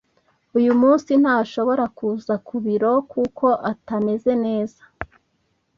Uyu munsi ntashobora kuza ku biro kuko atameze neza.